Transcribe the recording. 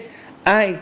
và hơn hết